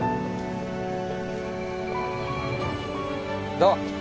どう？